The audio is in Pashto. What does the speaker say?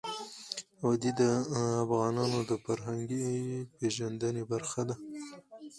وادي د افغانانو د فرهنګي پیژندنې برخه ده.